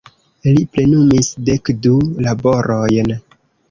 Li plenumis dekdu laborojn.